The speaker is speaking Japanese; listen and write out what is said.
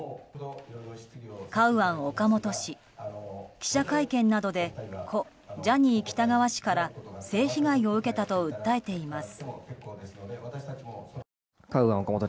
記者会見などで故ジャニー喜多川氏から性被害を受けたと訴えています。